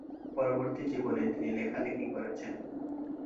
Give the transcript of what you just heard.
পরবর্তী জীবনে তিনি লেখালেখি করেছেন।